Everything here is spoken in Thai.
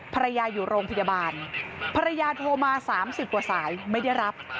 ภรรยาอยู่โรงพยาบาลภรรยาโทรมา๓๐กว่าสายไม่ได้รับ